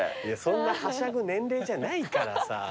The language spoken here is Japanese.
そんなはしゃぐ年齢じゃないからさ。